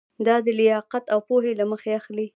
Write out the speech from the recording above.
دا د لیاقت او پوهې له مخې اخلي.